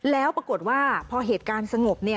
แล้วปรากฏว่าพอเหตุการณ์สงบ